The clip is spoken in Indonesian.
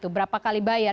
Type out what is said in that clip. berapa kali bayar